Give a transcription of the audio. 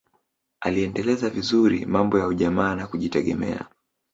aliendeleza vizuri mambo ya ujamaa na kujitegemea